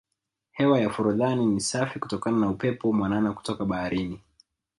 hewa ya forodhani ni safi kutokana na upepo mwanana kutoka baharini